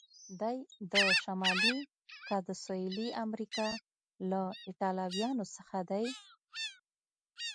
دی د شمالي که د سهیلي امریکا له ایټالویانو څخه دی؟